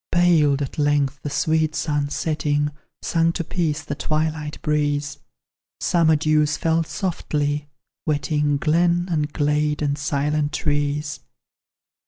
Paled, at length, the sweet sun setting; Sunk to peace the twilight breeze: Summer dews fell softly, wetting Glen, and glade, and silent trees.